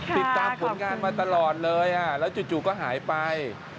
ติดตามผลงานมาตลอดเลยแล้วจู่ก็หายไป